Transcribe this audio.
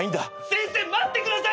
先生待ってください！